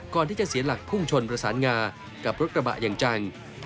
เสียหลักพุ่งชนประสานงากับรถกระบะอย่างจัง